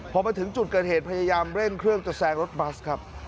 พอมาถึงจุดเกิดเหตุพยายามเร่งเครื่องจะแซงรถบัสครับ